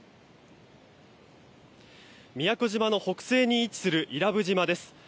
宮古島の北西に位置する伊良部島です。